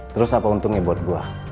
terus apa untungnya buat gue